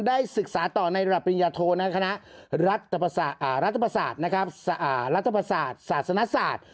ได้ศึกษาต่อในรับปริญญาโทนาคณะรัฐภาษาสนศาสตร์